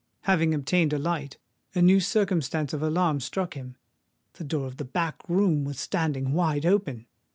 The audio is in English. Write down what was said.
Having obtained a light, a new circumstance of alarm struck him: the door of the back room was standing wide open!